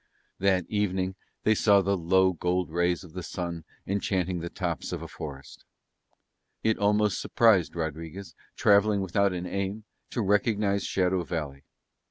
That evening they saw the low gold rays of the sun enchanting the tops of a forest. It almost surprised Rodriguez, travelling without an aim, to recognise Shadow Valley.